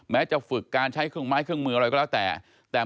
จะฝึกการใช้เครื่องไม้เครื่องมืออะไรก็แล้วแต่